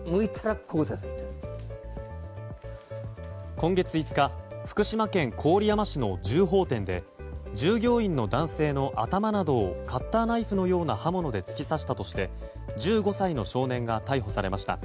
今月５日福島県郡山市の銃砲店で従業員の男性の頭などをカッターナイフのような刃物で突き刺したとして１５歳の少年が逮捕されました。